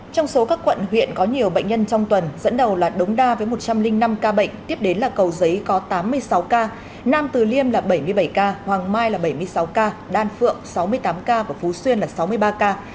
trong số các quận huyện có nhiều bệnh nhân trong tuần dẫn đầu là đống đa với một trăm linh năm ca bệnh tiếp đến là cầu giấy có tám mươi sáu ca nam từ liêm là bảy mươi bảy ca hoàng mai là bảy mươi sáu ca đan phượng sáu mươi tám ca và phú xuyên là sáu mươi ba ca